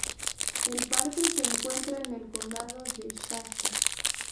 El parque se encuentra en el condado de Shasta.